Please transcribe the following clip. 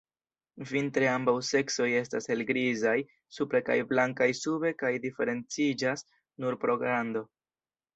Vintre ambaŭ seksoj estas helgrizaj supre kaj blankaj sube kaj diferenciĝas nur pro grando.